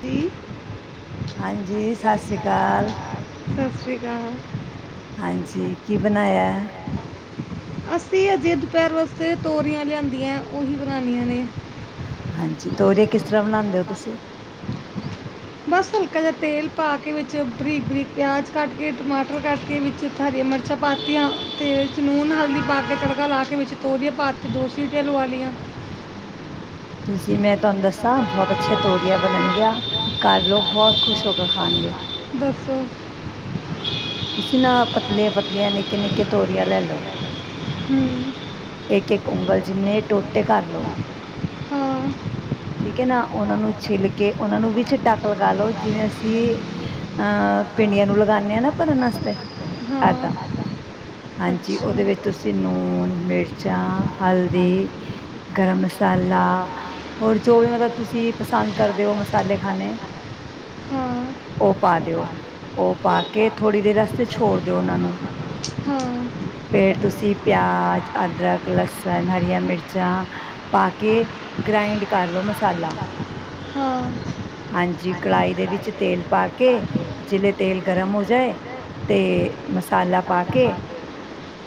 ਦੀ, ਹਾਂਜੀ ਸਸ ਰੀ ਕਾਲ, ਸਤਿ ਸ਼੍ਰੀ ਅਕਾਲ ਹਾਂਜੀ ਕੀ ਬਣਾਇਆ? ਅਸੀਂ ਅਜੇ ਦੁਪਹਿਰ ਵਾਸਤੇ ਤੋਰੀਆਂ ਲਿਆਦੀਆਂ ਉਹੀ ਬਣਾਣੀਆਂ ਨੇ। ਹਾਂਜੀ ਤੋਰੀਆਂ ਕਿਸ ਤਰ੍ਹਾਂ ਬਣਾਂਦੇ ਹੋ ਤੁਸੀਂ ਕਦੇ ਤੇਲ ਪਾ ਕੇ ਵਿੱਚ ਬਰੀਕ- ਬਰੀਕ ਪਿਆਜ਼ ਕੱਟ ਕੇ ਟਮਾਟਰ ਕੱਟ ਕੇ ਵਿੱਚ ਹਰੀਆਂ ਮਿਰਚਾਂ ਪਾਤੀਆਂ, ਤੇ ਨੂਨ ਹਲਦੀ ਪਾ ਕੇ ਤੜਕਾ ਲਾ ਕੇ ਵਿੱਚ ਤੋਰੀਆ ਪਾਤੀ, ਦੋ ਸੀਟੀਆਂ ਲਵਾ ਲਈਆਂ। ਤੁਸੀਂ ਮੈਂ ਤੁਹਾਨੂੰ ਦੱਸਾਂ ਬਹੁਤ ਅੱਛੇ ਤੋਰੀਆ ਬਣਨ ਗੀਆ ਘਰ ਲੋਕ ਬਹੁਤ ਖੁਸ਼ ਹੋ ਕੇ ਖਾਣਗੇ। ਦਸੋ ਤੁਸੀਂ ਨਾ ਪਤਲੀਆਂ- ਪਤਲੀਆਂ ਨਿੱਕੇ ਨਿੱਕੇ ਤੋਰੀਆਂ ਲੈ ਲਓ ਹੂੰ ਇੱਕ- ਇੱਕ ਉਂਗਲ ਜਿੰਨੇ ਟੋ ਟੇ ਕਰ ਲਓ ਹਾਂ ਠੀਕ ਹੈ ਨਾ। ਹਾਂ ਉਹਨਾਂ ਨੂੰ ਛਿੱਲ ਕੇ ਉਹਨਾਂ ਨੂੰ ਵਿਚ ਟੱਕ ਲਗਾ ਲਓ ਜਿਵੇਂ ਅਸੀਂ ਅਹ ਭਿੰਡੀਆਂ ਨੂੰ ਲਗਾਨੇ ਹਾਂ ਨਾ। ਭਰਨ ਵਾਸਤੇ ਏਦਾਂ ਹਾਂਜੀ ਅੱਛਾ ਉਹਦੇ ਵਿੱਚ ਤੁਸੀਂ ਨੂਣ ਮਿਰਚਾਂ ਹਲਦੀ ਗਰਮ ਮਸਾਲਾ ਹੋਰ ਜੋ ਵੀ ਮਤਲਬ ਤੁਸੀ ਪਸੰਦ ਕਰਦੇ ਹੋ ਮਸ ਸਾਡੇ ਖਾਨੇ ਹਾਂ ਉਹ ਪਾ ਦਿਓ ਉਹ ਪਾ ਕੇ ਥੋੜ੍ਹੀ ਦੇਰ ਵਾਸਤੇ ਛੋੜ ਦਿਓ ਉਹਨਾਂ ਨੂੰ ਫੇਰ ਤੁਸੀਂ ਪਿਆਜ, ਅਦਰਕ, ਲਸਣ, ਹਰੀਆਂ ਮਿਰਚਾਂ ਪਾ ਕੇ ਗ੍ਰਾਇੰਡ ਕਰ ਲੋ ਮਸਾਲਾ ਹਾਂ ਹਾਂ ਹਾਂਜੀ, ਕੜਾਹੀ ਦੇ ਵਿੱਚ ਤੇਲ ਪਾ ਕੇ ਜਿਲੇ ਤੇਲ ਗਰਮ ਹੋ ਜਾਏ ਤੇ ਮਸਾਲਾ ਪਾ ਕੇ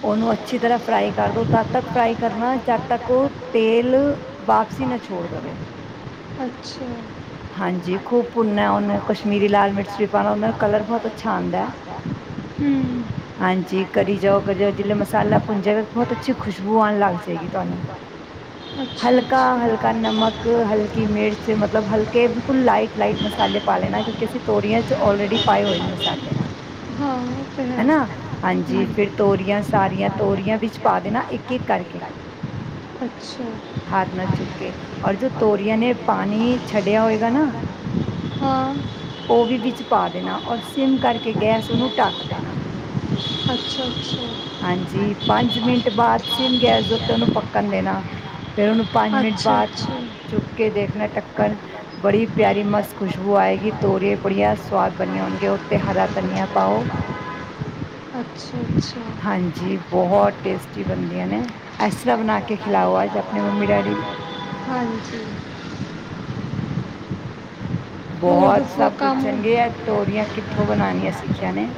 ਉਹਨੂੰ ਅੱਛੀ ਤਰ੍ਹਾਂ ਫਰਾਈ ਕਰਦੋ ਤਦ ਤੱਕ ਫਰਾਈ ਕਰਨਾ ਜਦ ਤੱਕ ਉਹ ਤੇਲ ਵਾਪਸੀ ਨਾ ਛੋੜ ਦਵੇ ਹਾਂਜੀ, ਖੂਬ ਭੁੰਨਨਾ ਉਹਨੂੰ ਕਸ਼ਮੀਰੀ ਲਾਲ ਸਬਜ਼ੀ ਮਿਰਚ ਲਾ ਵੀ ਪਾਉਣਾ ਸਬਜ਼ੀ ਉਹਨਾ ਵਾਲਾ ਉਹਦਾ ਕਲਰ ਬਹੁਤ ਅੱ ਆਂਦਾ, ਅੱਛਾ ਆਉਂਦਾ ਹੂੰ ਹਾਂਜੀ ਕਰੀ ਜਾਓ ਕਰੀ ਜਾਓ ਜਿਲੇ ਮਸਾਲਾ ਭੁੰਨ ਜਾਵੇਗਾ ਬਹੁਤ ਅੱਛੀ ਖੁਸ਼ਬੂ ਆਉਣ ਲੱਗ ਜਾਏਗੀ ਤੁਹਾਨੂੰ, ਅੱਛਾ ਅੱਛਾ ਹਲਕਾ- ਹਲਕਾ ਨਮਕ, ਹਲਕੀ ਮਿਰਚ ਮਤਲਬ ਹਲਕੇ ਬਿਲਕੁਲ ਲਾਈਟ- ਲਾਈਟ ਮਸਾਲੇ ਪਾ ਲੈਣਾ ਕਿਉਂਕਿ ਅਸੀਂ ਤੋਰੀਆਂ ਚ ਆਲਰੇਡੀ ਪਾਏ ਹੋਏ ਨੇ ਹਾਂ ਉਹ ਤਾਂ ਹੈ ਹੈਨਾ ਹਾਂਜੀ, ਹਮ, ਫਿਰ ਤੋਰੀਆਂ ਸਾਰੀਆਂ ਤੋਰੀਆਂ ਵਿੱਚ ਪਾ ਦੇਣਾ ਇੱਕ- ਇੱਕ ਕਰਕੇ ਹੱਥ ਨਾਲ ਚੁੱਕ ਔਰ ਜੋ ਤੋਰੀਆਂ ਨੇ ਪਾਣੀ ਛੱਡਿਆ ਹੋਏਗਾ ਨਾ, ਉਹ ਵੀ ਵਿੱਚ ਪਾ ਦੇਣਾ ਔਰ ਸਿਮ ਕਰਕੇ ਗੈਸ ਨੂੰ ਢੱਕ ਅੱਛਾ ਦੇਣਾ। ਹਾਂ ਅੱਛਾ ਅੱਛਾ। ਹਾਂਜੀ ਪੰਜ ਮਿੰਟ ਬਾਅਦ ਪੰਜ ਮਿੰਟ ਸਿਮ ਗੈਸ ਜਿਹੜੀ ਹੈ ਉੱਤੇ ਉਹਨੂੰ ਪੱਕਣ ਦੇਣਾ ਫੇਰ ਉਹਨੂੰ ਪੰਜ ਮਿੰਟ ਅੱਛਾ ਬਾਅਦ ਅੱਛਾ ਚੁੱਕ ਕੇ ਦੇਖਣਾ ਢਕਣ ਬੜੀ ਪਿਆਰੀ ਮਸਤ ਖੁਸ਼ਬੂ ਆਏਗੀ, ਤੋਰੀਆਂ ਬੜੀਆਂ ਸਵਾਦ ਬਣੀਆਂ ਹੋਣਗੀਆਂ। ਤੇ ਹਰਾ ਧਨੀਆ ਪਾਓ ਅੱਛਾ ਹਾਂਜੀ ਬਹੁਤ ਟੇਸਟੀ ਬਣਦੀਆਂ ਨੇ, ਇਸ ਤਰ੍ਹਾਂ ਬਣਾ ਕੇ ਖਿਲਾਓ ਅੱਜ ਅੱਛਾ ਆਪਣੇ ਮੰਮੀ ਡੈਡੀ ਨੂੰ। ਹਾਂਜੀ ਹੋਰ ਬਹੁਤ ਦੱਸੋ ਸਭ ਕੰਮ ਪੁੱਛਣਗੇ ਏ ਤੋਰੀਆਂ ਕਿੱਥੋਂ ਬਣਾਉਣੀਆਂ ਸਿੱਖੀਆਂ ਨੇ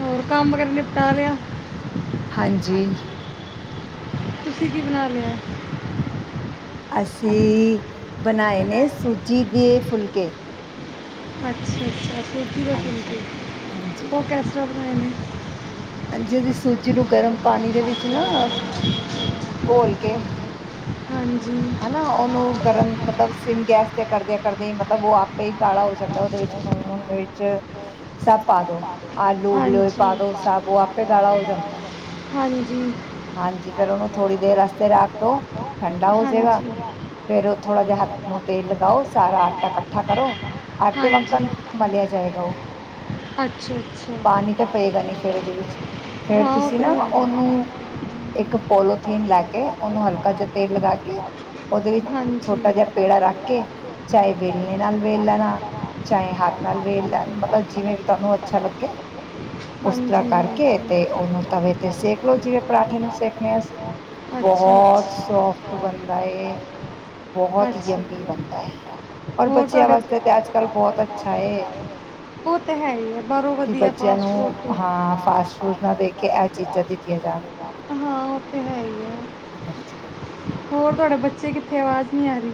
ਹੋਰ ਕੰਮ ਕਾਰ ਨਿਪਟਾ ਲਿਆ। ਹਾਂਜੀ। ਤੁਸੀਂ ਕੀ ਬਣਾ ਲਿਆ ਏ? ਅਸੀਂ ਬਣਾਏ ਨੇ ਸੂਜੀ ਦੇ ਫੁਲਕੇ। ਅੱਛਾ। ਸੂਜ਼ੀ ਦੇ [unintelligible] ਹਾਂਜੀ ਹਾਂਜੀ ਹੈ ਨੇ ਹਾਂਜੀ ਅਸੀਂ ਸੂਜੀ ਨੂੰ ਗਰਮ ਪਾਣੀ ਦੇ ਵਿੱਚ ਨਾ ਘੋਲ ਕੇ ਹਾਂਜੀ ਹੈਨਾ ਉਹਨੂੰ ਗਰਮ ਮਤਲਬ ਸਿਮ ਗੈਸ ਤੇ ਕਰਦੇ ਕਰਦੇ ਹੀ ਮਤਲਬ ਉਹ ਆਪੇ ਹੀ ਗਾੜਾ ਹੋ ਜਾਂਦਾ ਏ, ਉਹਦੇ ਹਾਂਜੀ ਹਾਂਜੀ ਵਿੱਚ ਲੂਣ, ਮਿਰਚ ਸਭ ਪਾ ਦੋ। ਆਲੂ ਉਬਲੇ ਹੋਏ ਪਾਦੋ ਸਭ ਔ ਆਪੇ ਗਾੜਾ ਹੋ ਜਾਂਦਾ ਹੈ। ਹਾਂਜੀ। ਹਾਂਜੀ ਫਿਰ ਉਹਨੂੰ ਥੋੜ੍ਹੀ ਦੇਰ ਵਾਸਤੇ ਰੱਖ ਦੋ ਠੰਡਾ ਹੋ ਹੋਜੇਗਾ ਫਿਰ ਉਹ ਥੋੜਾ ਜਿਹਾ ਹੱਥ ਨੂੰ ਤੇਲ ਲਗਾਓ ਸਾਰਾ ਆਟਾ ਇਕੱਠਾ ਕਰੋ ਆਟੇ ਹਾਂਜੀ ਹਾਂਜੀ ਵਕੱਨ ਮਲਿਆ ਜਾਏਗਾ ਉਹ ਅੱਛਾ ਅੱਛਾ। ਪਾਣੀ ਤਾਂ ਪਏਗਾ ਨੀ ਫੇਰ ਉਹਦੇ ਵਿੱਚ ਫੇਰ ਹਾਂ ਉਹ ਤੁਸੀਂ ਤਾਂ ਨਾ ਹੈ। ਉਹਨੂੰ ਇੱਕ ਪੋਲੋਥੀਨ ਲੈ ਕੇ ਉਹਨੂੰ ਹਲਕਾ ਜਿਹਾ ਤੇਲ ਲਗਾ ਕੇ ਉਹਦੇ ਵਿੱਚ ਛੋਟਾ ਜਿਹਾ ਪੇੜਾ ਰੱਖ ਕੇ ਚਾਹੇ ਹਾਂਜੀ। ਵੇਲਣੇ ਨਾਲ ਵੇਲ ਲੈਣਾ ਚਾਹੇ ਹੱਥ ਨਾਲ ਵੇਲ [unintelligible] ਲੈਣ ਮਤਲਬ ਜਿਵੇਂ ਵੀ ਤੁਹਾਨੂੰ ਅੱਛਾ ਲੱਗੇ ਉਸ ਹਾਂਜੀ, ਤਰ੍ਹਾਂ ਕਰਕੇ ਹਾਂਜੀ। ਰੋਟੀ ਨੂੰ ਸੇਕਣੇ ਅ ਅਸੀ। ਅੱਛਾ ਬਹੁਤ ਸੋਫਟ ਬਣਦਾ ਏ। ਬਹੁਤ ਹੀ ਅੱਛਾ ਯਮੀ ਬਣਦਾ ਹੈ ਅੱਛਾ ਔਰ ਹੋਰ ਬੱਚਿਆਂ ਤੁਹਾਡੇ ਵਾਸਤੇ ਤਾਂ ਅੱਜ ਕੱਲ੍ਹ ਬਹੁਤ ਅੱਛਾ ਹੈ, ਉਹ ਤੇ ਹੈ ਹੀ ਹੈ ਬਾਹਰੋਂ ਕਿ ਵਧੀਆ ਬੱਚਿਆਂ ਨੂੰ ਪਾਸਪੋਰਟ ਹਾਂ ਫਾਸਟ ਫੂਡ ਨਾ ਦੇ ਕੇ ਇਹ ਚੀਜ਼ਾਂ ਦਿੱਤੀਆਂ ਜਾਣ। ਹਾਂ, ਉਹ ਤੇ ਹੈ ਹੀ ਆ ਹੋਰ ਤੁਹਾਡੇ ਬੱਚੇ ਤੁਸੀ ਕਿੱਥੇ ਆਵਾਜ਼ ਨਹੀਂ ਆ ਰਹੀ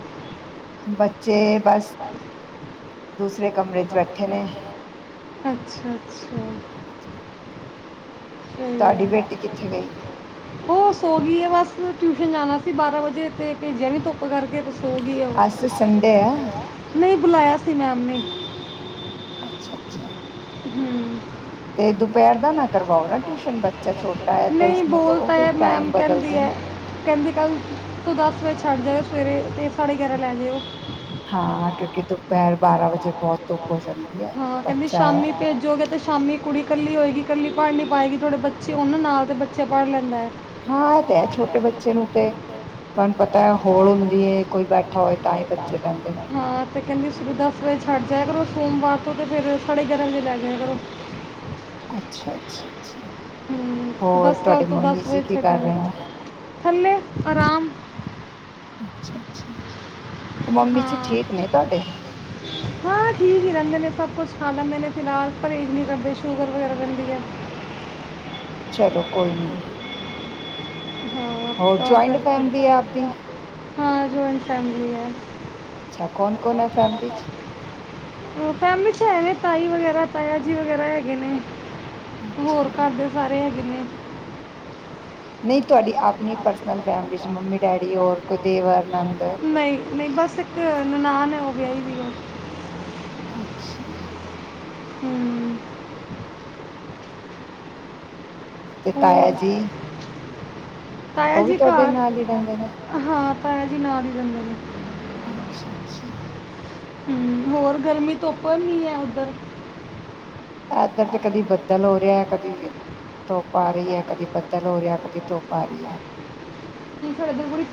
ਬੱਚੇ ਬਸ ਦੂਸਰੇ ਕਮਰੇ 'ਚ ਬੈਠੇ ਨੇ ਅੱਛਾ, ਅੱਛਾ ਸਹੀ ਤੁਹਾਡੀ ਹੈ ਬੇਟੀ ਕਿੱਥੇ ਗਈ ਉਹ ਸੋ ਗਈ ਹੈ ਬਸ ਟਿਸ਼ਨ ਜਾਣਾ ਸੀ ਬਾਰਾਂ ਵਜੇ ਤੇ ਭੇਜਿਆ ਨੀ ਧੁੱਪ ਕਰਕੇ ਤੁਸੀ ਸੋਗੀ ਹੈ ਉਹ ਅੱਜ ਸੰਡੇ ਆ ਨਹੀਂ ਬੁਲਾਇਆ ਸੀ ਮੈਮ ਨੇ ਅੱਛਾ, ਅੱਛਾ ਹੁੰ [unintelligible] ਦੁਪਹਿਰ ਦਾ ਨਾ ਕਰਵਾਓ ਨਾ ਟਿਊਸ਼ਨ ਬੱਚਾ ਛੋਟਾ ਹੈ ਤੇ ਨਹੀਂ ਉਸਨੂੰ ਕਹੋ ਬੋਲਤਾ ਵੀ ਹੈ ਟਾਈਮ ਮੈਮ ਬਦਲ ਕਹਿੰਦੀ ਦੇਣ ਹੈ ਸਾਡੀੇ ਸਵੇਰੇ ਅਤੇ ਪੋਣੇ ਗਿਆਰਾ ਲੈਣ ਜਿਓ ਹਾਂ, ਕਿਉਂਕਿ ਦੁਪਹਿਰ ਬਾਰਾਂ ਵਜੇ ਬਹੁਤ ਧੁੱਪ ਹੋ ਜਾਂਦੀ ਹੈ, ਹਾਂ ਕਹਿੰਦੀ ਬੱਚਾ ਹੈ ਸ਼ਾਮੀ ਭੇਜੋਗੇ ਤੇ ਸ਼ਾਮੀ ਕੁੜੀ ਇਕੱਲੀ ਹੋਏਗੀ ਇਕੱਲੀ ਪੜ੍ਹ ਨਹੀਂ ਪਾਏਗੀ, ਥੋੜੇ ਬੱਚੇ ਹੋਣ ਨਾ, ਨਾਲ ਤਾਂ ਬੱਚੇ ਪੜ੍ਹ ਲੈਂਦਾ ਹੈ। ਹਾਂ ਇਹ ਤੇ ਹੈ ਛੋਟੇ ਬੱਚੇ ਨੂੰ ਤੇ ਤੁਹਾਨੂੰ ਪਤਾ ਹੈ ਹੋਲ ਹੁੰਦੀ ਹੈ ਕੋਈ ਬੈਠਾ ਹੋਏ ਤਾਂ ਹੀ ਬੱਚੇ ਬਹਿੰਦੇ [unintelligible] ਹਾਂ, ਤੇ ਕਹਿੰਦੀ ਦੱਸ ਵਜੇ ਛੱਡ ਜਾਏ ਸੋਮਵਾਰ ਤੋਂ ਤੇ ਫਿਰ ਸਾਡੇ ਗਿਆਰਾਂ ਵਜੇ ਲੈ ਜਾਇਆ ਕਰੋ। ਅੱਛਾ, ਅੱਛਾ। ਅੱਛਾ ਹੋਰ ਬਸ, ਕੱਲ੍ਹ ਤੁਹਾਡੇ ਤੋਂ ਦੱਸ ਮੰਮੀ ਵਜੇ ਜੀ ਕੀ ਛੱਡ ਕਰ ਰਹੇ ਨੇ ਆਂਗੀ, ਥੱਲੇ ਆਰਾਮ [unintelligible] ਉਹ ਮੰਮੀ ਜੀ ਹਾਂ, ਠੀਕ ਨੇ ਤੁਹਾਡੇ ਹਾਂ ਠੀਕ ਹੀ ਰਹਿੰਦੇ ਨੇ। ਸਭ ਕੁਛ ਖਾ ਲੈਦੇ ਨੇ ਫਿਲਹਾਲ, ਪਰਹੇਜ ਨੀ ਕਰਦੇ, ਸ਼ੂਗਰ ਵਗੈਰਾ ਰਹਿੰਦੀ ਹੈ। ਚਲੋ, ਕੋਈ ਨੀ। [unintelligible] ਹੋਰ ਹਾਂ, ਜੁਆਇੰਟ ਫੈਮਿਲੀ ਹੈ ਆਪਦੀ ਜਵਾਇੰਟ ਫੈਮਿਲੀ ਹੈ, ਅੱਛਾ ਕੌਣ ਕੌਣ ਹੈ ਫੈਮਿਲੀ ਚ ਫੈਮਿਲੀ ਚ' ਹੈ [unintelligible] ਤਾਈ ਵਗੈਰਾ, ਤਾਇਆ ਜੀ ਵਗੈਰਾ ਹੈਗੇ ਨੇ। ਅੱਛਾ ਹੋਰ, ਘਰ ਦੇ ਸਾਰੇ ਹੈਗੇ। ਹੁੰ ਨਹੀਂ ਤੁਹਾਡੀ ਆਪਣੀ ਪਰਸਨਲ ਫੈਮਿਲੀ 'ਚ' ਮੰਮੀ, ਡੈਡੀ ਹੋਰ ਕੋਈ ਦੇਵਰ, ਨੰਦ ਨਹੀਂ ਨਹੀਂ ਬਸ ਇੱਕ ਨਨਾਣ ਹੈ ਉਹ ਵਿਆਹੀ ਦੀ ਏ ਅੱਛਾ ਹੁੰ ਤੇ ਹੋਰ ਤਾਇਆ ਜੀ? ਤਾਇਆ ਉਹ ਵੀ, ਜੀ ਤੁਹਾਡੇ ਘਰ ਨਾਲ ਹੀ ਰਹਿੰਦੇ ਨੇ। ਹਾਂ ਤਾਇਆ ਜੀ, ਨਾਲ ਈ ਰਹਿੰਦੇ ਨੇ। ਅੱਛਾ, ਅੱਛਾ। ਹਮ, ਹੋਰ ਗਰਮੀ ਤੋਂ ਉੱਪਰ ਨੀ ਹੈ ਉੱਧਰ। ਇਧਰ ਤੇ ਕਦੀ ਬੱਦਲ ਹੋ ਰਿਹਾ ਹੈ, ਕਦੀ ਧੁੱਪ ਆ ਰਈ, ਕਦੀ ਬੱਦਲ ਹੋ ਰਿਹਾ, ਕਦੀ ਧੁੱਪ ਆ ਰਹੀ ਹੈ। ਕੀ ਸਾਡੇ ਇੱਧਰ ਬੜੀ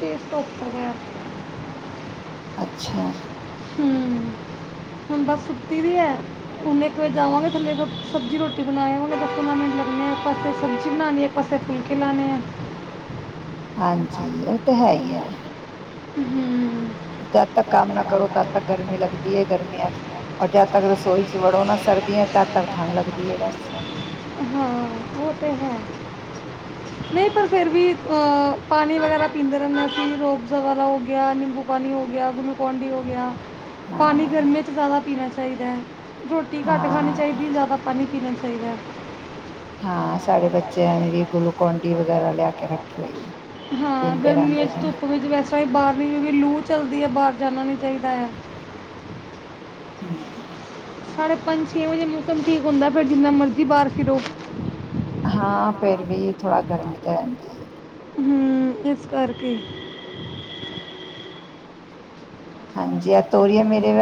[inaudible] ਅੱਛਾ। ਹੂੰ, ਹੁਣ ਬਸ ਸੁੱਤੀ ਦੀ ਹੈ, ਹੁਣ ਇੱਕ ਵਾਰ ਜਾਵਾਂਗੇ ਥੱਲੇ। ਸਬਜ਼ੀ ਰੋਟੀ ਬਣਾਵਗੇ, ਦਸ ਪੰਦਰਾਂ ਮਿੰਟ ਲੱਗਣੇ ਆ, ਇੱਕ ਪਾਸੇ ਸਬਜ਼ੀ ਬਣਾਣੀ, ਇੱਕ ਪਾਸੇ ਫੁਲਕੇ ਲਾਣੇ ਆ। ਹਾਂਜੀ, ਉਹ ਤਾਂ ਹੈ ਹੀ ਐ। [unintelligible] ਹੂੰ। ਨਾ ਕਰੋ ਤਦ ਤੱਕ ਗਰਮੀ ਲੱਗਦੀ ਹੈ ਗਰਮੀਆਂ ਚ ਔਰ ਜਦ ਤੱਕ ਰਸੋਈ ਚ ਵੜੋ ਨਾ ਸਰਦੀਆਂ ਤਦ ਤੱਕ ਠੰਢ ਲੱਗਦੀ ਹੈ ਬਸ [unintelligible] ਹਾਂ, ਉਹ ਤੇ ਹੈ। ਨਹੀਂ, ਪਰ ਫਿਰ ਵੀ ਪਾਨੀ ਵਗੈਰਾ ਪੀਂਦੇ ਰਹਿੰਦੇ ਅਸੀਂ ਲੋਕ। ਜੂਸ ਵਗੈਰਾ ਹੋ ਗਿਆ, ਨਿੰਬੂ ਪਾਣੀ ਹੋ ਗਿਆ, ਗੁਲੂਕੌਣਡੀ ਹੋ ਗਿਆ। ਪਾਣੀ ਹਾਂ ਗਰਮੀਆਂ ਚ ਜ਼ਿਆਦਾ ਪੀਣਾ ਚਾਹੀਦਾ। ਚਾਹੀਦਾ। ਰੋਟੀ ਘੱਟ ਖਾਣੀ ਹਾਂ ਚਾਹੀਦੀ ਜਿਆਦਾ ਪਾਣੀ ਪੀਣਾ ਚਾ ਚਾਹੀਦਾ। ਹਾਂ ਸਾਡੇ ਬੱਚਿਆਂ ਜਿਹੜੀ ਗਲੂਕੋਨ ਡੀ ਵਗੈਰਾ ਲਿਆ ਕੇ ਰੱਖੇ ਹੋਈ ਏ, ਹਾਂ ਪੀਂਦੇ ਗਰਮੀਆਂ ਰਹਿੰਦੇ 'ਚ ਨੇ। ਧੁੱਪ ਵਿੱਚ ਵੈਸੇ ਵੀ ਬਾਹਰ ਕਿਉਕਿ ਲੂ ਚਲਦੀ ਹੈ ਬਾਹਰ ਜਾਣਾ ਨੀ ਚਾਹੀਦਾ ਹੈ। ਹੂੰ। ਸਾਡੇ ਪੰਜ ਛੇ ਵਜੇ ਮੌਸਮ ਠੀਕ ਹੁੰਦਾ ਫਿਰ ਜਿੰਨਾ ਮਰਜ਼ੀ ਬਾਹਰ ਫਿਰੋ। ਹਾਂ ਫੇਰ ਵੀ ਥੋੜਾ ਗਰਮੀ ਤੇ ਰਹਿੰਦੀ ਹੈ। ਹੂੰ ਇਸ ਕਰਕੇ। ਹਾਂਜੀ ਆ ਤੋਰੀਏ ਮੇਰੇ,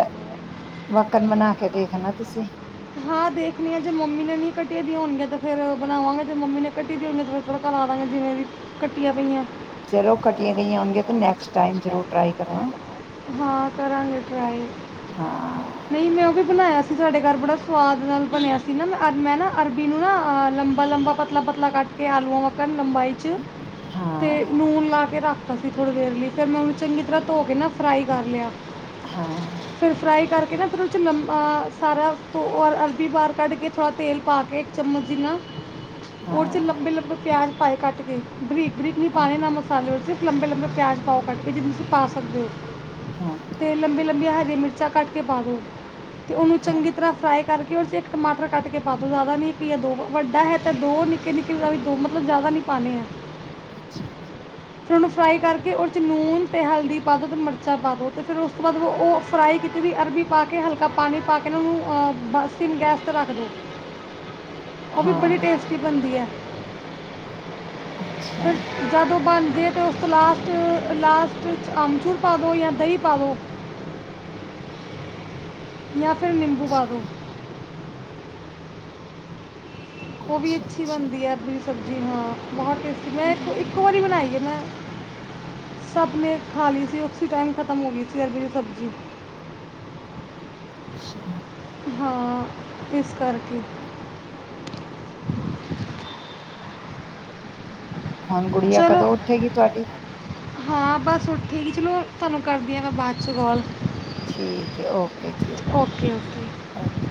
ਵੱਕਣ ਬਣਾ ਕੇ ਦੇ ਦੇਣਾ ਤੁਸੀਂ। ਹਾਂ, ਦੇਖਣੀ ਆ ਜੇ ਮੰਮੀ ਨੇ ਨਹੀਂ ਕੱਟੀ ਦੀਆਂ ਹੋਣਗੀਆਂ ਤੇ ਫੇਰ ਬਣਾਵਾਂਗੇ ਜੇ ਮੰਮੀ ਨੇ ਕੱਟੀ ਦੀ ਹੋਣਗੀਆਂ ਤੇ ਫਿਰ ਥੋੜਾ ਕਰਾ ਦਵਾਂਗੇ ਜਿਵੇਂ ਵੀ ਕੱਟੀਆਂ ਪਈਆਂ। ਚਲੋ ਕੱਟੀਆਂ ਗਈਆਂ ਹੋਣਗੀਆਂ ਤੇ ਨੈਕਸਟ ਟਾਈਮ ਜ਼ਰੂਰ ਟਰਾਈ ਕਰਨਾ। ਹਾਂ ਕਰਾਂਗੇ ਟਰਾਈ ਹਾਂ ਨਹੀਂ ਮੈਂ ਉਹ ਵੀ ਬਣਾਇਆ ਸੀ ਸਾਡੇ ਘਰ ਬੜਾ ਸਵਾਦ ਨਾਲ ਬਣਿਆ ਸੀ ਨਾ ਮੈਂ ਮੈਂ ਨਾ ਅਰਬੀ ਨੂੰ ਨਾ ਲੰਬਾ-ਲੰਬਾ, ਪਤਲਾ-ਪਤਲਾ ਕੱਟ ਕੇ ਆਲੂਆਂ ਵਰਗਾ ਲੰਬਾਈ 'ਚ ਹਾਂ ਤੇ ਨੂਣ ਲਾ ਕੇ ਰੱਖ ਤਾਂ ਅਸੀਂ ਥੋੜ੍ਹੀ ਦੇਰ ਲਈ ਫਿਰ ਮੈਂ ਉਹਨੂੰ ਚੰਗੀ ਤਰ੍ਹਾਂ ਧੋ ਕੇ ਨਾ ਫਰਾਈ ਕਰ ਲਿਆ। ਹਾਂ ਫਿਰ ਫਰਾਈ ਕਰਕੇ ਕਹਿੰਦਾ ਫਿਰ ਉਹ 'ਚ ਲੰਬਾ ਸਾਰਾ ਔਰ ਅਰਬੀ ਬਾਹਰ ਕੱਢ ਕੇ ਥੋੜ੍ਹਾ ਤੇਲ ਪਾ ਕੇ ਇੱਕ ਚਮਚ ਜਿੰਨਾ ਓਦੇ 'ਚ ਹਾਂ ਲੰਬੇ-ਲੰਬੇ ਪਿਆਜ ਪਾਏ ਕੱਟ ਕੇ ਬਰੀਕ। ਬਰੀਕ ਨੀ ਪਾਣੀ ਨਾ ਮਸਾਲੇ ਵਿੱਚ। ਲੰਬੇ-ਲੰਬੇ ਪਿਆਜ ਪਾਓ ਕੱਟ ਕੇ ਜਿੰਨੇ ਤੁਸੀਂ ਪਾ ਸਕਦੇ ਹੋ। ਹਾਂ ਤੇ ਲੰਬੀ-ਲੰਬੀਆਂ ਹਰੀ ਮਿਰਚਾਂ ਕੱਟ ਕੇ ਪਾ ਦਿਉ। ਤੇ ਉਹਨੂੰ ਹਾਂ ਚੰਗੀ ਫਰਾਈ ਕਰਕੇ ਉਹਦੇ 'ਚ ਇੱਕ ਟਮਾਟਰ ਕੱਟ ਕੇ ਪਾ ਦਿਉ ਜ਼ਿਆਦਾ ਨਹੀਂ ਇੱਕ ਜਾਂ ਦੋ। ਵੱਡਾ ਹੈ ਤਾਂ ਦੋ ਨਿੱਕੇ-ਨਿੱਕੇ ਵੀ ਦੋ ਮਤਲਬ ਜ਼ਿਆਦਾ ਨਹੀਂ ਪਾਣੇ ਹੈ। ਫਿਰ ਉਹਨੂੰ ਫਰਾਈ ਕਰਕੇ ਉਹ 'ਚ ਲੂਣ ਅਤੇ ਹਲਦੀ ਪਾ ਦੋ ਅਤੇ ਮਿਰਚਾਂ ਪਾ ਦੋ, ਅਤੇ ਫਿਰ ਉਸ ਤੋਂ ਬਾਅਦ ਉਹ ਫਰਾਈ ਕੀਤੀ ਵੀ ਅਰਬੀ ਪਾ ਕੇ ਹਲਕਾ ਪਾਣੀ ਪਾ ਕੇ ਨਾ ਉਹਨੂੰ ਆ ਬਸ ਇਹਨੂੰ ਗੈਸ 'ਤੇ ਰੱਖ ਦਿਓ। ਉਹ ਵੀ ਬੜੀ ਹਾਂ ਟੇਸਟੀ ਬਣਦੀ ਐ। ਅੱਛਾ ਫੇਰ ਜਦੋਂ ਬਣ ਦੀ ਏ ਤੇ ਉਸ ਤੋ ਲਾਸਟ ਲਾਸਟ 'ਚ ਅਮਚੂਰ ਪਾ ਦੋ ਜਾਂ ਦਹੀਂ ਪਾ ਦੋ। ਜਾਂ ਫਿਰ ਨਿੰਬੂ ਪਾ ਅੱਛਾ ਦੋ। ਉਹ ਵੀ ਅੱਛਾ ਅੱਛੀ ਅੱਛਾ ਬਣਦੀ ਹੈ [unintelligible] ਸਬਜ਼ੀ ਹਾਂ ਬਹੁਤ ਟੇਸਟੀ ਮੈਂ ਇੱਕ ਇੱਕ ਵਾਰੀ ਬਣਾਈ ਹੈ ਮੈਂ, ਸਭ ਨੇ ਖਾ ਲਈ ਸੀ ਉਸ ਟਾਈਮ ਖਤਮ ਹੋ ਗਈ ਸੀ ਅਰਬੀ ਦੀ ਸਬਜ਼ੀ। ਅੱਛਾ ਹਾਂ ਇਸ ਕਰਕੇ ਹੁਣ ਗੁਡੀਆਂ ਚਲੋ ਕਦੋਂ ਉੱਠੇਗੀ ਤੁਹਾਡੀ ਹਾਂ, ਬਸ ਉੱਠੇਗੀ ਚਲੋ ਤੁਹਾਨੂੰ ਕਰਦੀ ਹਾਂ ਮੈਂ ਬਾਅਦ ਚ ਕਾਲ਼ ਠੀਕ ਹੈ ਓਕੇ ਜੀ ਓਕੇ ਓਕੇ